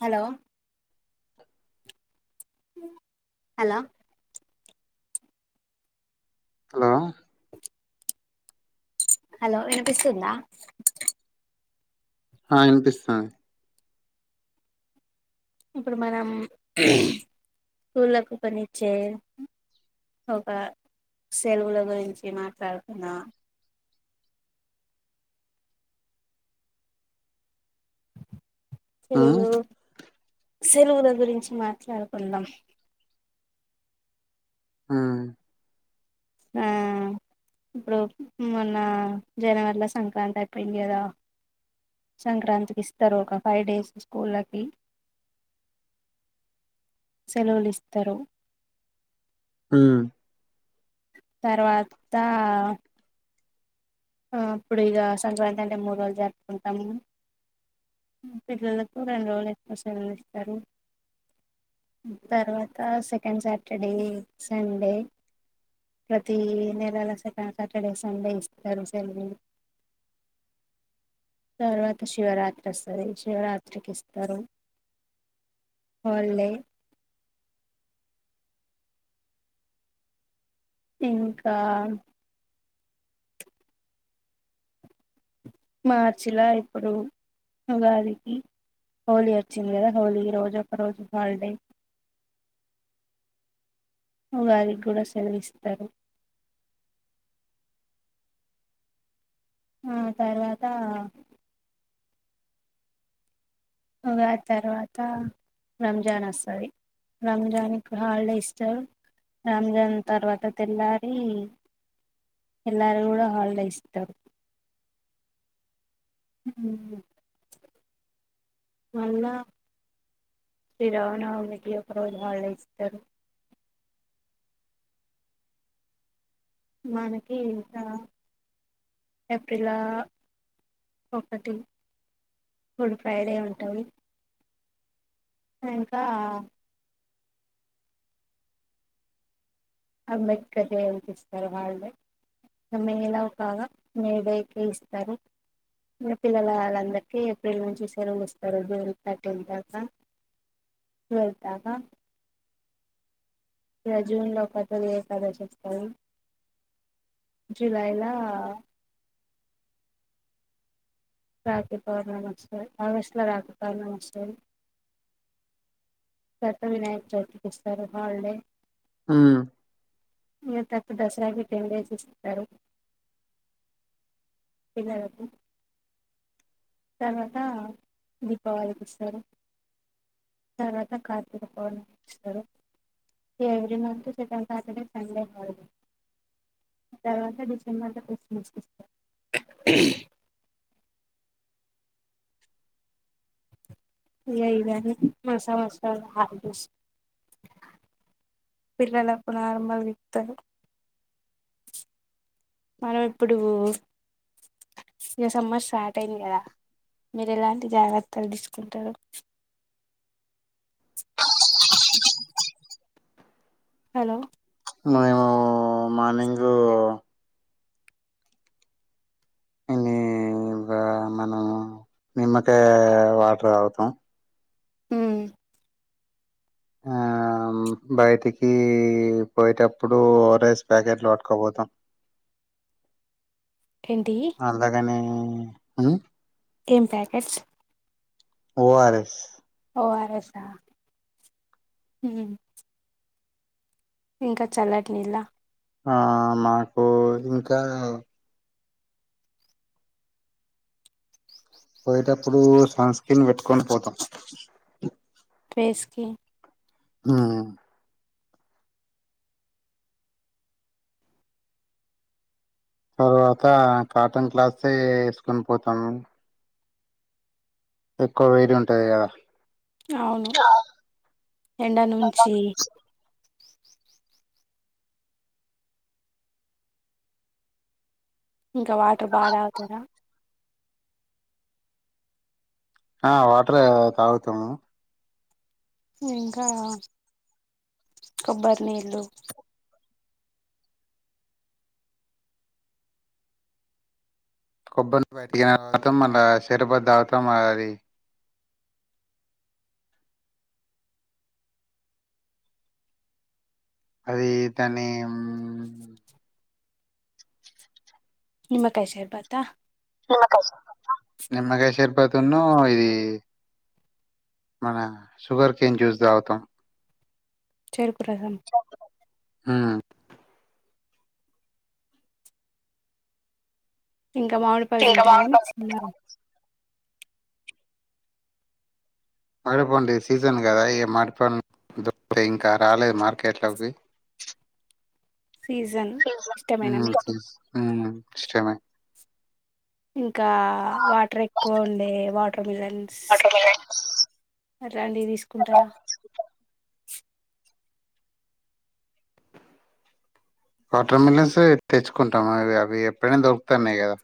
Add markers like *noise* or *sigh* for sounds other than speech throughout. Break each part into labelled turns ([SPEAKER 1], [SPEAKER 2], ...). [SPEAKER 1] Hello hello
[SPEAKER 2] hello
[SPEAKER 1] hello వినపిస్తుందా
[SPEAKER 2] ఆ వినిపిస్తాంది
[SPEAKER 1] ఇప్పుడు మనం స్కూళ్ళకు పనిచ్చే ఒక సెలవుల గురించి మాట్లాడుకున్నామా
[SPEAKER 2] ఉమ్
[SPEAKER 1] సరేనా సెలవుల గురించి మాట్లాడుకుందాం
[SPEAKER 2] ఉమ్
[SPEAKER 1] హా ఇప్పుడు మొన్న జనవరిలో సంక్రాంతి అయిపోయింది కదా సంక్రాంతికి ఇస్తారు ఒక ఫైవ్ డేస్ స్కూళ్ళకి సెలవులు ఇస్తారు.
[SPEAKER 2] హ్మ్మ్
[SPEAKER 1] తర్వాత హా ఇప్పుడు ఇక సంక్రాంతి అంటే మూడు రోజులు జరుపుకుంటాము పిల్లలకు రెండు రోజులు ఐతే సెలువులు ఇస్తారు తర్వాత సెకండ్ సాటర్డే సండే ప్రతి నెలలో సెకండ్ సాటర్డే సండే ఇస్తారు. హ్మ్మ్ తర్వాత శివరాత్రి వస్తది శివరాత్రికి ఇస్తారు హోల్డే. ఇంకా మార్చి లో ఇప్పుడు ఉగాదికి హోలీ వచ్చింది కదా హోలీ రోజు ఒక రోజు హాలిడే. వారికి కూడా సెలవిస్తారు ఆ తర్వాత ఉగాది తర్వాత రంజాన్ వస్తది రంజాన్కి హాలిడే ఇస్తారు రంజాన్ తర్వాత తెల్లారి తెల్లారి కూడా హాలిడే ఇస్తారు. హ్మ్మ్ మళ్ళా శ్రీరామనవమికి ఒక రోజు హాలిడే ఇస్తారు. మనకి ఇంకా ఏప్రిలా ఒకటి గుడ్ ఫ్రైడే ఉంటది. ఇంకా అంబేద్కర్ డే అనిపిస్తారు హల్డే మేలా కాగా మే డే కి ఇస్తారు మన పిల్లల వాళ్ళందరికీ ఏప్రిల్ నుంచి సెలవు ఇస్తారు జూన్ థర్టీన్ దాకా ట్వెల్త్ దాకా. ఇగ జూన్ లో ఒక తొలి ఏకాదశి వస్తది జూలై లా రాఖీ పౌర్ణమి వస్తది ఆగస్ట్లో రాఖీ పౌర్ణమి వస్తది తర్వాత వినాయక్ చవితికిస్తారు హాలిడే
[SPEAKER 2] హ్మ్మ్
[SPEAKER 1] డు దసరాకి టెన్ డేస్ ఇస్తారు పిల్లలకు తర్వాత దీపావళికి ఇస్తారు తర్వాత కార్తీక పౌర్ణమికి ఇస్తారు every month second Saturday Sunday holiday తర్వాత డిసెంబర్ లో క్రిస్మస్ కి ఇస్తారు. ఇగ ఇవి అండి మన సంవత్సరంలో హాలిడేస్ పిల్లలకు నార్మల్ వితారు మనం ఇప్పుడు ఇక సమ్మర్ స్టార్ట్ అయింది కదా మీరు ఎలాంటి జాగ్రత్తలు తీసుకుంటారు. హలో
[SPEAKER 2] మేము మార్నింగు ఇన్ని ఇగ మనం నిమ్మకాయ వాటర్ తాగుతం.
[SPEAKER 1] మ్మ్
[SPEAKER 2] ఆ బయటికి పోయేటప్పుడు ఓ ర ఎస్ ప్యాకెట్లు వాట్టుకోబోతాం.
[SPEAKER 1] ఏంటి
[SPEAKER 2] అలా గాని హ్మ్మ్ హ్మ్మ్
[SPEAKER 1] ఏం packets
[SPEAKER 2] O R S
[SPEAKER 1] ORS ఆ ఉమ్ ఇంకా చల్లటి నీళ్ల
[SPEAKER 2] ఆ మాకు ఇంకా పోయేటప్పుడు సన్ స్క్రీన్ పెట్టుకని పోతాం
[SPEAKER 1] ఐస్క్రీమ్
[SPEAKER 2] హ్మ్మ్ తర్వాత కాటన్ క్లాత్స్ ఏ వేసుకొని పోతాము ఎక్కువ వేడి ఉంటది కదా
[SPEAKER 1] అవును ఎండ నుంచి ఇంకా వాటర్ బాగా తాగుతారా
[SPEAKER 2] ఆ వాటరూ తాగుతాము
[SPEAKER 1] ఇంకా కొబ్బరి నీళ్ళు
[SPEAKER 2] కొబ్బరిని బతికిన రాతం మళ్ళ షెరాబత్ త వుతాం అది అది దాని
[SPEAKER 1] నిమ్మకాయ షర్బత
[SPEAKER 2] నిమ్మకాయ షర్బత్ ఆ నిమ్మకాయ షర్బత్ ఇది మన షుగర్ కేన్ చ్యూస్ తాగుతాం
[SPEAKER 1] చెరు అగ్రహం *inaudible*
[SPEAKER 2] ఉమ్
[SPEAKER 1] ఇంకా మామిడిపళ్లు తింటారా మీరు
[SPEAKER 2] మడిపల్లు సీజన్ కదా ఈ మడిపళ్ళు ఇంకా రాలేదు మార్కెట్లోకి
[SPEAKER 1] సీజన్ ఇష్టమేనా మీకు
[SPEAKER 2] ఉమ్ ఇష్టమే
[SPEAKER 1] ఇంకా వాటర్ ఎక్కువ ఉండే వాటర్ మిలన్స్ అట్లాంటివి తీసుకుంటారా
[SPEAKER 2] వాటర్మెలొన్స్ తెచ్చుకుంటామువి అవి ఎప్పుడైనా దొరుకుతా ఉన్నాయి కదా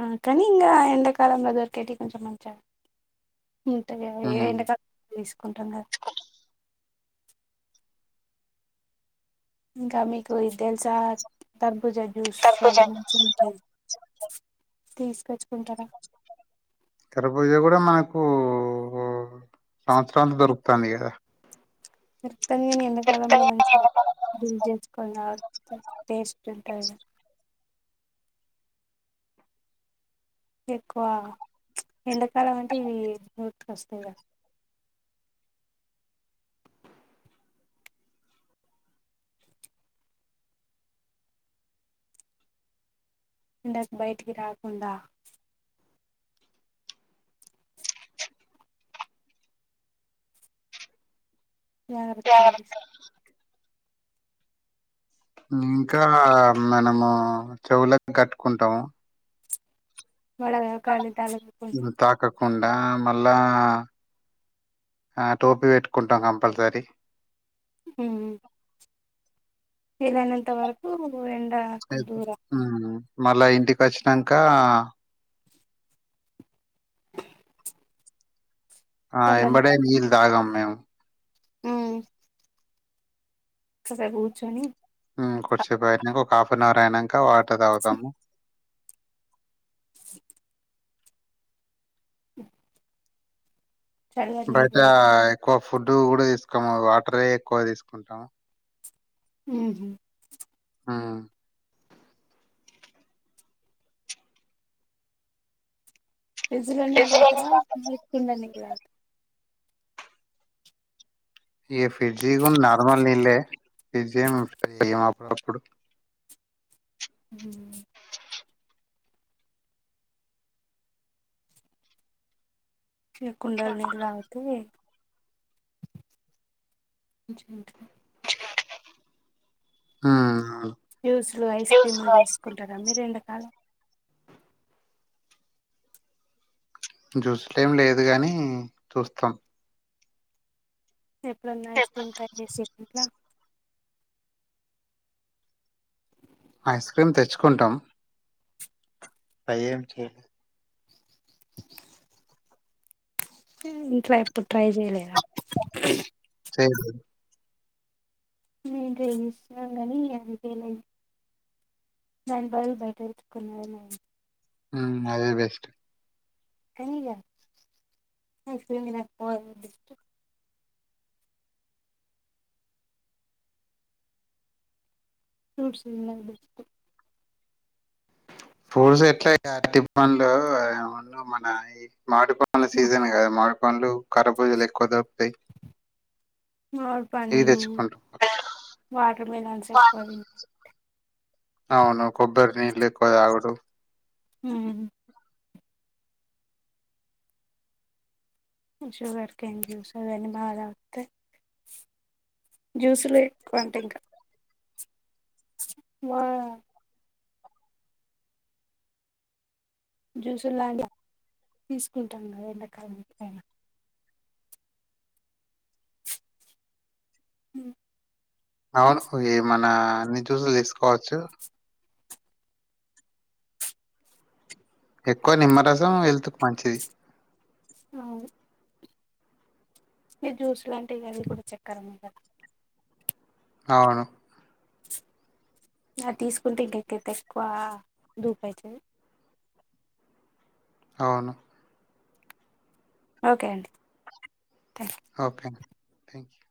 [SPEAKER 1] ఆ కనీ ఇంకా ఎండ కాాలంలో దొరికేటివి కొంచం మజ ఉంటా కద
[SPEAKER 2] ఉమ్
[SPEAKER 1] ఏందుక తీసుకుంటాం కదా *inaudible* *inaudible* ఇంకా మీకు ఇది తెలుసా త బుజ జ్యూస్ ఆది మంచిగా ఉంటది *inaudible*
[SPEAKER 2] ఖరబూజ కూడా మనకు ఓహో సంవత్సరానికి దొరుకుతాంది కదా
[SPEAKER 1] *inaudible* మత్తని కానీ ఎండాకాలంలో మంచిగా జ్యూస్ చేసుకొని తాగితే టేస్ట్ ఉంటదిగా ఎక్కువ ఎండాకాలం అంటే ఇవీ నూత్ వస్తేగా ఎండకి బయటికి రాకుండా జాగ్రత్తండి
[SPEAKER 2] ఇంకా మనము చెవులకు కట్టుకుంటాము
[SPEAKER 1] వడగా గాలి తలగకుండా
[SPEAKER 2] కుండా మళ్ళా టోపీ ఆ పెట్టుకుంటాం కంపల్సరీ
[SPEAKER 1] ఊమ్ ఈలైనంత వరకు ఎం
[SPEAKER 2] ఐతే ఊఊఊ మళ్ళా ఇంటికి వచ్చినంకా ఆ ఎంబడే నీళ్ ఇాగామేము
[SPEAKER 1] ఉ ససేపు ఊచ్చొని
[SPEAKER 2] ఉ కొస్సేప్ అయినంక ఒక హాఫ్ నవర్ అయినంక వా ట దావుతాము.
[SPEAKER 1] ఉ
[SPEAKER 2] బైటాయ్ క్కువ ఫుడ్ కూడా తీసుకోమొ వాటరే ఎక్కువ తీసుకుంటాము.
[SPEAKER 1] ఊహు
[SPEAKER 2] హు
[SPEAKER 1] ఫ్రిజ్ లొ నీల్లు దావుతరా, మీ కింద పీల్ దావ్
[SPEAKER 2] ఏ ఫ్రిడ్జి గున్ నార్మల్ నీళ్లే, ఫ్రిజ్జేం ఏం అప్పు అప్పుడు
[SPEAKER 1] ఉమ్ సెవ్ కుండల్ నీల్ దావుతె మంచి ఉంటది.
[SPEAKER 2] ఊ
[SPEAKER 1] యుస్లు, ఐస్ క్రీములు చేసుకుంటారా మీరు ఎండాకాలం
[SPEAKER 2] జ్యూస్లేం లేదు గాని చూస్తాం.
[SPEAKER 1] ఎప్పుడున్నా ఐస్ క్రీమ్ ట్రై చేసి ల్ల
[SPEAKER 2] ఐస్ క్రీమ్ తెచ్చుకుంటం. అయ్యెం చెయ్యలె
[SPEAKER 1] ఇంట్ల ఎప్పున్ ట్రై జెయ్ లేదా
[SPEAKER 2] చేలెద్
[SPEAKER 1] మే ట్రై చెస్నం కాని అది ఫెయిలై, దాని బాళ్ బైటతెచ్చుకునేదె మే
[SPEAKER 2] హు అదే బెస్ట్
[SPEAKER 1] కనిగ, ఐస్ క్రీమ్ దినర్ *inaudible* ఫ్రూట్స్ ఇన్నయ్ *inaudible*
[SPEAKER 2] పొజ్ ఎట్లై *unintelligible* పంలు ఏమన్న మన ఇ మాడు ప ల సీజన్ కాద మా పంన్లు, కరబుజలు ఎక్కువ దాప్తయి.
[SPEAKER 1] మార్ పండ్లు, వాటర్ మిలన్స్ ఎక్కువ
[SPEAKER 2] అవును కొబ్బరి నీళ్లు లేక్కువ దావుడు.
[SPEAKER 1] హు షుగర్ కెన్ జుసు అవన్నీ బాగా వత్తే, జుస్సులె క్కువంటే ఇంక వా జుస్సులాంటి తీసుకుంటాం కదా ఎండ *inaudible* హు
[SPEAKER 2] అవును ఏమన్నా అన్ని జుసులు తీసుకోవచ్చు. ఎక్కువ నిమ్మరసం హేళ్తుకు మంచిది.
[SPEAKER 1] అవును ఇ జ్యూస్ లాంటివి అది కూడా చెక్కరున్నయ్ కదా
[SPEAKER 2] అవును
[SPEAKER 1] ఆ తీసుకుంటే ఇంకా ఇంకింతెక్కువా దూపయితది.
[SPEAKER 2] అవును
[SPEAKER 1] ఓకే అండి థ్యాంక్
[SPEAKER 2] ఓకే నండి, థ్యాంక్ యూ.